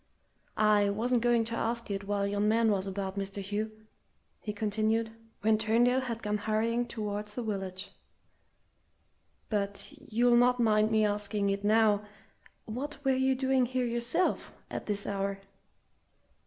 I wasn't going to ask it while yon man was about, Mr. Hugh," he continued, when Turndale had gone hurrying towards the village; "but you'll not mind me asking it now what were you doing here yourself, at this hour?"